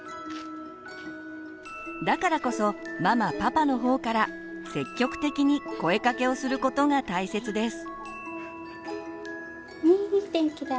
だからこそママパパの方から積極的に声かけをすることが大切です。